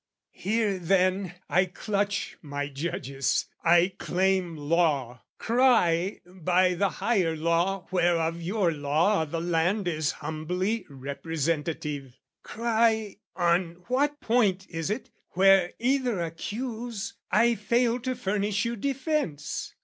Here, then, I clutch my judges, I claim law Cry, by the higher law whereof your law O' the land is humbly representative, Cry, on what point is it, where either accuse, I fail to furnish you defence?